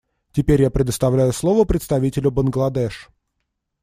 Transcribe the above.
Теперь я предоставляю слово представителю Бангладеш.